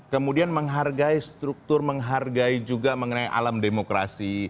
kemudian menghargai struktur menghargai juga mengenai alam demokrasi